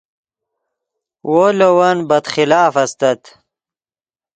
وو لے ون بد خلاف استت